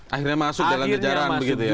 akhirnya masuk dalam kejaran